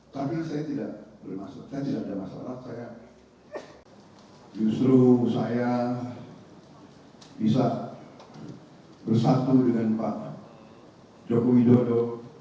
tapi saya tidak bermaksud saya tidak ada masalah saya justru saya bisa bersatu dengan pak joko widodo